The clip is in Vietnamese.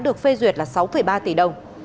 được phê duyệt là sáu ba tỷ đồng